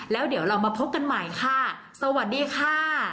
แล้วเดี๋ยวเรามาพบกันใหม่ค่ะสวัสดีค่ะ